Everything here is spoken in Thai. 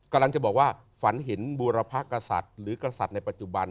กำลังจะบอกว่าฝันเห็นบูรพกษัตริย์หรือกษัตริย์ในปัจจุบัน